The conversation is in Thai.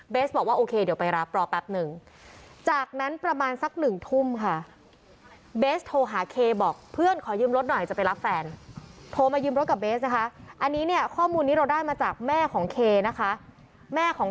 เบสบอกว่าโอเคเดี๋ยวไปรับรอแป๊บหนึ่ง